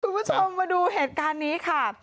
คุณผู้ชมมาดูเหตุการณ์นี้ค่ะ